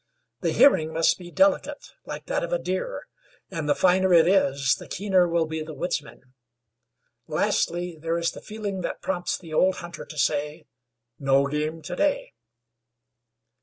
The hearing must be delicate, like that of a deer, and the finer it is, the keener will be the woodsman. Lastly, there is the feeling that prompts the old hunter to say: "No game to day."